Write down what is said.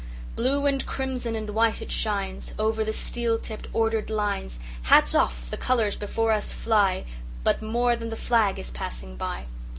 Blue and crimson and white it shines, Over the steel tipped, ordered lines. Hats off! The colors before us fly; But more than the flag is passing by.